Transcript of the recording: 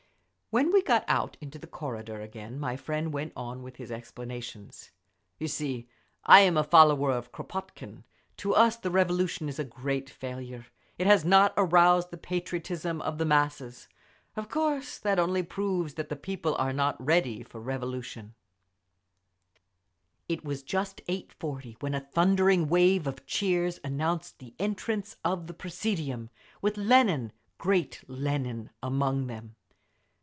When we got out into the corridor again my friend went on with his explanations. "You see, I'm a follower of Kropotkin. To us the Revolution is a great failure; it has not aroused the patriotism of the masses. Of course that only proves that the people are not ready for Revolution…." It was just 8.40 when a thundering wave of cheers announced the entrance of the presidium, with Lenin—great Lenin—among them.